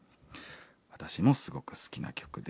私もすごく好きな曲です」。